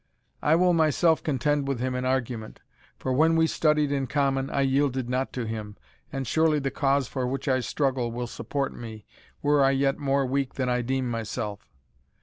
I will myself contend with him in argument; for when we studied in common, I yielded not to him, and surely the cause for which I struggle will support me, were I yet more weak than I deem myself.